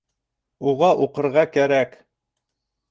Уға уҡырға кәрәк.